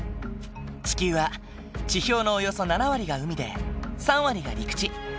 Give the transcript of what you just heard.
地球は地表のおよそ７割が海で３割が陸地。